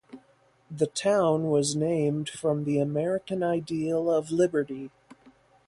The town was named from the American ideal of liberty.